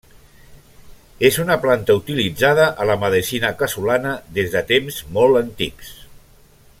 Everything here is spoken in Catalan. És una planta utilitzada a la medicina casolana des de temps molt antics.